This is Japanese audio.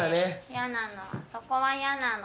嫌なのそこは嫌なの。